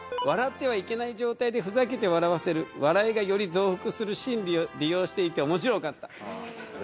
「笑ってはいけない状態でふざけて笑わせる」「笑いがより増幅する心理を利用していて面白かった」